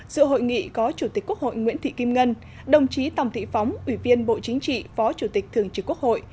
sự hội nghị có chủ tịch quốc hội nguyễn thị kim ngân đồng chí tòng thị phóng ủy viên bộ chính trị phó chủ tịch thường trực quốc hội